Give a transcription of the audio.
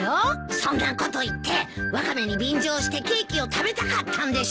そんなこと言ってワカメに便乗してケーキを食べたかったんでしょ！